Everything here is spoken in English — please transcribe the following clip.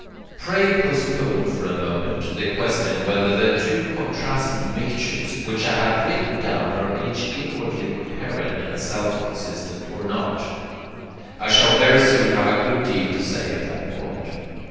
Pray postpone for a moment the question whether the two contrasted mixtures which I have written down are each inwardly coherent and self consistent or not I shall very soon have a good deal to say on that point.